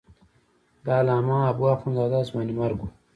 د علامه حبو اخند زاده ځوانیمرګ و.